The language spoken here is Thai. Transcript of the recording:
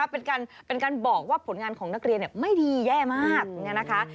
เป็นการบอกว่าผลงานของนักเรียนไม่ดีแย่มาก